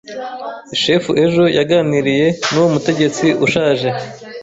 Shef ejo yaganiriye nuwo mutegetsi ushaje.